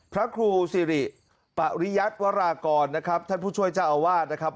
พระครูสิริปริยัติวรากรนะครับท่านผู้ช่วยเจ้าอาวาสนะครับ